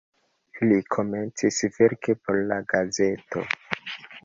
Li komencis verki por la gazeto.